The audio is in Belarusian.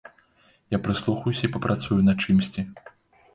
Я прыслухаюся і папрацую над чымсьці.